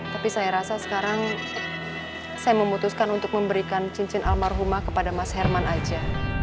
tapi saya rasa sekarang saya memutuskan untuk memberikan cincin almarhumah kepada mas herman aja